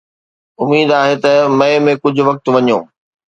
اميد آهي ته مئي ۾ ڪجهه وقت وڃو.